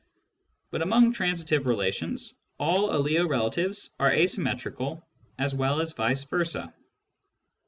But among transitive relations, all aliorelatives are asymmetrical as well as vice versa.